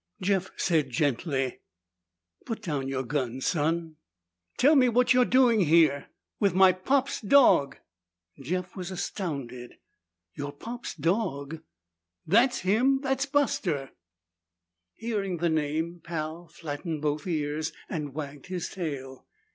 Jeff said gently, "Put your gun down, son." "Tell me what you're doing here! With my pop's dog!" Jeff was astounded. "Your pop's dog?" "That's him! That's Buster!" Hearing the name, Pal flattened both ears and wagged his tail.